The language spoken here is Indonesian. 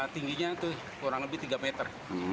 tingginya itu kurang lebih tiga meter